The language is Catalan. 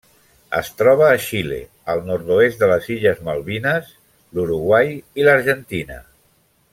Es troba a Xile, el nord-oest de les Illes Malvines, l'Uruguai i l'Argentina.